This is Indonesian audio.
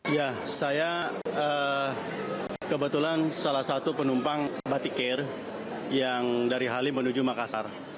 ya saya kebetulan salah satu penumpang batik air yang dari halim menuju makassar